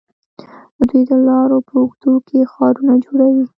دوی د لارو په اوږدو کې ښارونه جوړوي.